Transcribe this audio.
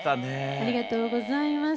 ありがとうございます。